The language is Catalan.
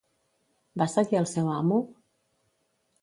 Va seguir al seu amo?